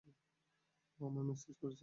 ও আমায় ম্যাসেজ করেছে?